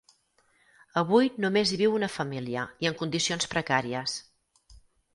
Avui només hi viu una família i en condicions precàries.